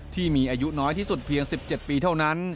ที่มีอายุน้อยที่สุดเพียง๑๗ปีเท่านั้น